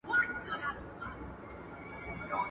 زورور له زورور څخه ډارېږي.